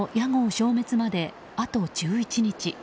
消滅まであと１１日。